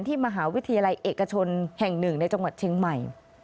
มหาวิทยาลัยเอกชนแห่งหนึ่งในจังหวัดเชียงใหม่